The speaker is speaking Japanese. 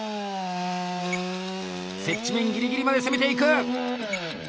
接地面ギリギリまで攻めていく！